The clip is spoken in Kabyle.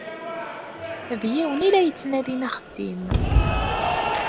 D yiwen i la yettnadin axeddim.